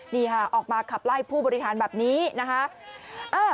นี่ค่ะออกมาขับไล่ผู้บริหารแบบนี้นะคะ